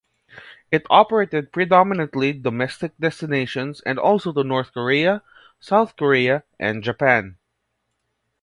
It operated predominantly domestic destinations and also to North Korea, South Korea and Japan.